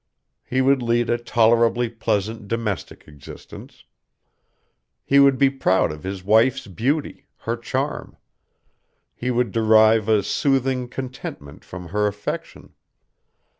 He would lead a tolerably pleasant domestic existence. He would be proud of his wife's beauty, her charm; he would derive a soothing contentment from her affection.